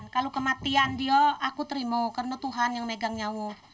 kalau kematian dia aku terima karena tuhan yang megang nyamuk